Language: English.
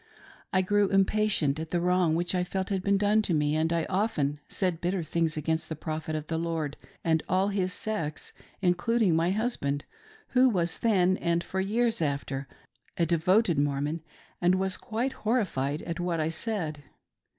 I grews impatient at the wrong which I felt had been done to me, and I often said bitter things against the Prophet of the Lord and all his sex, including my husband, who was then, and for years after, a devoted Mormon, and was quite horrified at what I said.